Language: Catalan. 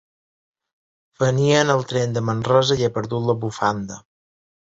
Venia en el tren de Manresa i he perdut la bufanda.